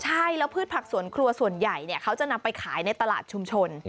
ใช่แล้วพืชผักสวนครัวส่วนใหญ่เขาจะนำไปขายในตลาดชุมชน